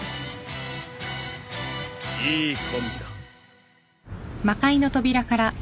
いいコンビだ。